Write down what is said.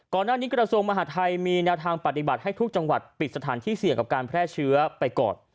ก่อนหน้านี้กฎสงฆ์มหาภัยมีแนวทางปฏิบัติให้ทุกจังหวัดปิดสถานที่และเสียงการแพร่เชื้อไปกด